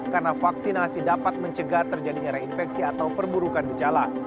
karena vaksinasi dapat mencegah terjadinya reinfeksi atau perburukan gejala